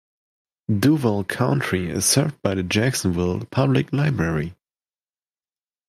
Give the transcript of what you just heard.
Duval County is served by the Jacksonville Public Library.